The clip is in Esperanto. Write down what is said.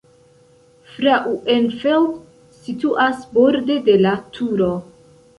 Frauenfeld situas borde de la Turo.